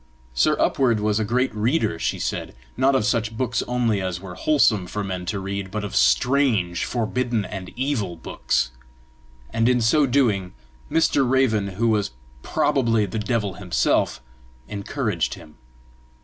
Sir Upward was a great reader, she said not of such books only as were wholesome for men to read, but of strange, forbidden, and evil books; and in so doing, Mr. Raven, who was probably the devil himself, encouraged him.